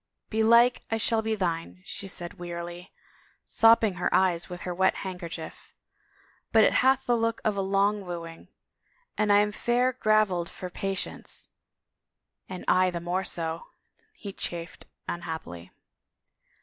" Belike I shall be thine," she said wearily, sopping her eyes with her wet handkerchief, "but it hath the look of a long wooing. And I am fair graveled for patience." " And I the more so," he chafed unhappily.